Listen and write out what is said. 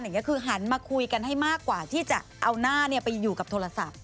คือหันมาคุยกันให้มากกว่าที่จะเอาหน้าไปอยู่กับโทรศัพท์